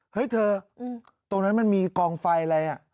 เฮ้ยเธอตรงนั้นมันมีกองไฟอะไร